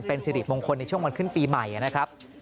เป็นสิริมงคลในช่วงวันขึ้นปีใหม่นะครับ